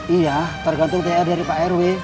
iya tergantung tr dari pak rw